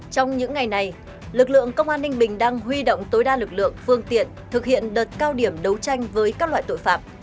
trong những ngày này lực lượng công an ninh bình đang huy động tối đa lực lượng phương tiện thực hiện đợt cao điểm đấu tranh với các loại tội phạm